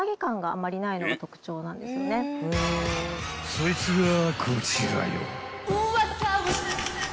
［そいつがこちらよ］